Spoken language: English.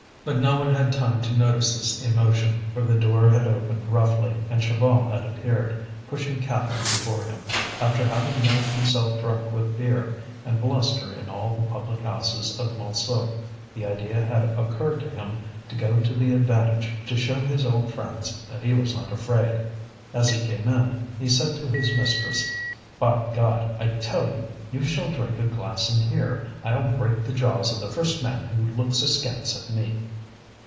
But no one had time to notice this emotion, for the door had opened roughly and Chaval had appeared, pushing Catherine before him. After having made himself drunk with beer and bluster in all the public houses of Montsou, the idea had occurred to him to go to the Avantage to show his old friends that he was not afraid. As he came in, he said to his mistress: "By God! I tell you you shall drink a glass in here; I'll break the jaws of the first man who looks askance at me!"